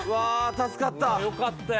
助かった。